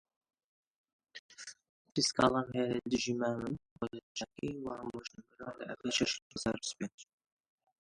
ئەوانەی دەمناسین گیران و سەرگەردان مامەوە